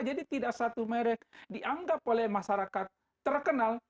jadi tidak satu merk dianggap oleh masyarakat terkenal